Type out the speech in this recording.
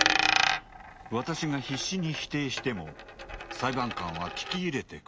私が必死に否定しても裁判官は聞き入れてくれません。